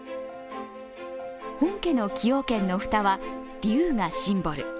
本家の崎陽軒の蓋は竜がシンボル。